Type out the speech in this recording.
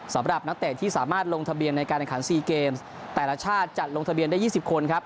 สำหรับนักเตะที่สามารถลงทะเบียนในการแข่งขัน๔เกมแต่ละชาติจัดลงทะเบียนได้๒๐คนครับ